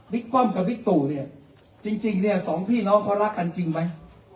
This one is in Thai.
ป้อมกับบิ๊กตู่เนี่ยจริงเนี่ยสองพี่น้องเขารักกันจริงไหม